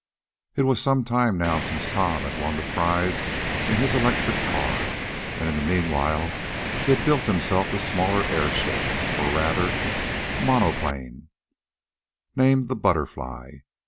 It was now some time since Tom had won the prize in his electric car and, in the meanwhile he had built himself a smaller airship, or, rather, monoplane, named the BUTTERFLY.